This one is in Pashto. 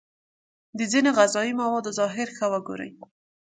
د ځینو غذايي موادو ظاهر ښه وگورئ.